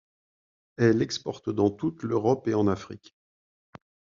Elle exporte dans toute l'Europe et en Afrique.